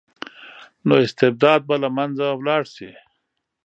نو استبداد به له منځه لاړ شي.